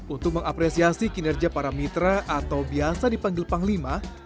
untuk mengapresiasi kinerja para mitra atau biasa dipanggil panglima